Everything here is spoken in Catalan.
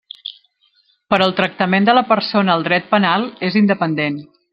Però el tractament de la persona al dret penal és independent.